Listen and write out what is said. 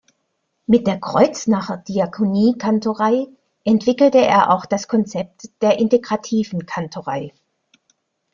Mit der Kreuznacher-Diakonie-Kantorei entwickelte er auch das Konzept der integrativen Kantorei.